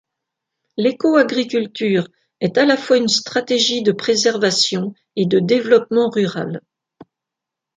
L'écoagriculture est à la fois une stratégie de préservation et de développement rural.